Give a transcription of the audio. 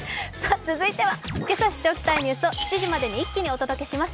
続いては今朝知っておきたいニュースを７時までに一気にお届けします。